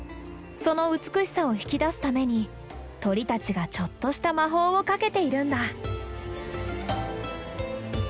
その美しさを引き出すために鳥たちがちょっとした魔法をかけているんだ。